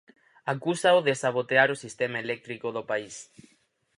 Acúsao de sabotar o sistema eléctrico do país.